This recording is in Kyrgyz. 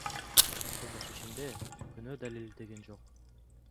Кылмыш ишинде күнөө далилденген жок.